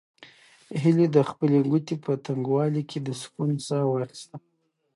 هیلې د خپلې کوټې په تنګوالي کې د سکون ساه واخیسته.